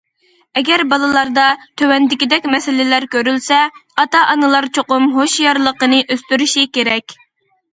ئەگەر بالىلاردا تۆۋەندىكىدەك مەسىلىلەر كۆرۈلسە، ئاتا- ئانىلار چوقۇم ھوشيارلىقنى ئۆستۈرۈشى كېرەك.